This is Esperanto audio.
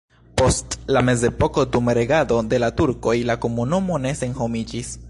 Post la mezepoko dum regado de la turkoj la komunumo ne senhomiĝis.